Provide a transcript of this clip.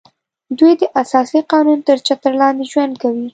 دوی د اساسي قانون تر چتر لاندې ژوند کوي